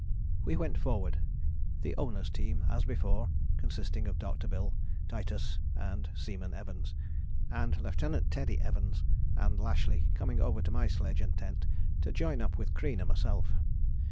We went forward, the Owner's team as before consisting of Dr. Bill, Titus and [Seaman] Evans, and [Lieut.] Teddy Evans and Lashly coming over to my sledge and tent to join up with Crean and myself.